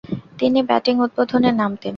তিনি ব্যাটিং উদ্বোধনে নামতেন।